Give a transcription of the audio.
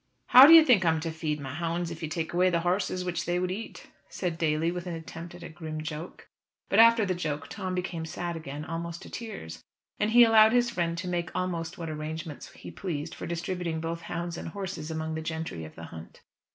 "How do you think I am to feed my hounds if you take away the horses which they would eat?" said Daly, with an attempt at a grim joke. But after the joke Tom became sad again, almost to tears, and he allowed his friend to make almost what arrangements he pleased for distributing both hounds and horses among the gentry of the hunt.